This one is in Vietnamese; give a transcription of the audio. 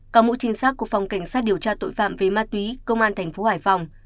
cả mũ chính xác của phòng cảnh sát điều tra tội phạm về ma túy công an thành phố hải phòng